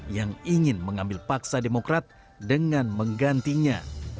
yang ingin mengambil paksa demokrat dengan menggantinya